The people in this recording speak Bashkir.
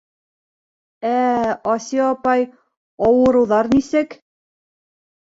Ә, Асия апай... ауырыуҙар нисек?